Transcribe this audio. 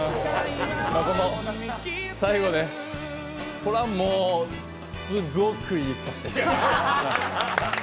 最後ね、これはもう、すごくいい歌詞です。